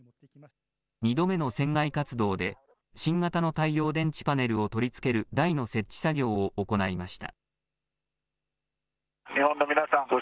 ２度目の船外活動で、新型の太陽電池パネルを取り付ける台の設置作業を行いました。